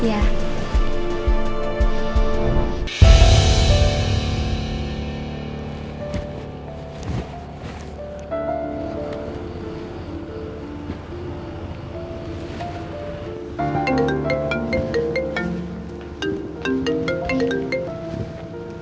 terima kasih mbak